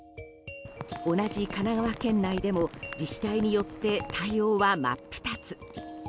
同じ神奈川県内でも自治体によって対応は真っ二つ。